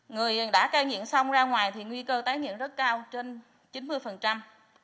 người đã cai nghiện xong ra ngoài thì nguy cơ tái nghiện rất cao trên chín mươi